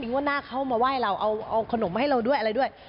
งวดหน้าเขามาไหว้เราเอาขนมมาให้เราด้วยอะไรด้วย